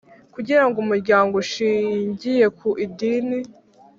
Kugira ngo umuryango ushingiye ku idini